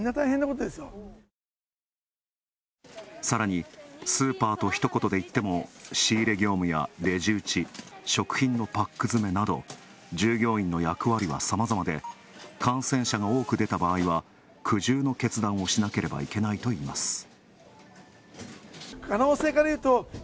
さらに、スーパーと一言で言っても、仕入れ業務やレジ打ち、食品のパック詰めなど従業員の役割はさまざまで、感染者が多く出た場合は苦渋の決断をしなければいけないといいます。